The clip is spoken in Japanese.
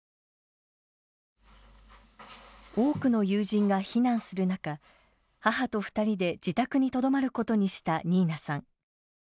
多くの友人が避難する中母と２人で自宅にとどまることにしたニーナさん。